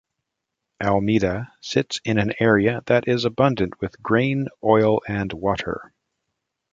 Alameda sits in an area that is abundant with grain, oil and water.